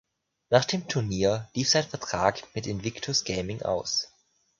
Nach dem Turnier lief sein Vertrag mit Invictus Gaming aus.